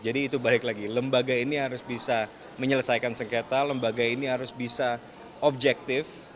jadi itu balik lagi lembaga ini harus bisa menyelesaikan sengketa lembaga ini harus bisa objektif